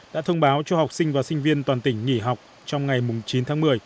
đã thông báo cho học sinh và sinh viên toàn tỉnh nghỉ học trong ngày chín tháng một mươi